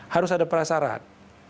harus ada perasaran